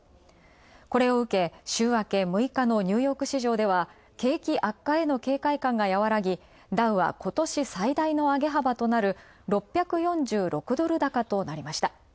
これを受け、週明け６日のニューヨーク市場では景気警戒感がやわらぎダウは今年最大の上げ幅となる６４６ドル高となりました。